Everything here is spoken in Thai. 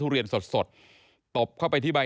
ดูคลิปกันก่อนนะครับแล้วเดี๋ยวมาเล่าให้ฟังนะครับ